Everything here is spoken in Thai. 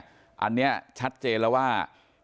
อันนี้ชัดเจนแล้วว่า